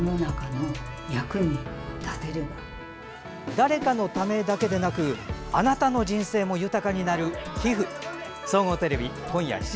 誰かのためだけでなくあなたの人生も豊かになる寄付。